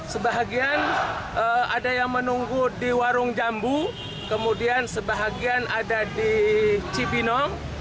sebahagian ada yang menunggu di warung jambu kemudian sebahagian ada di cibinong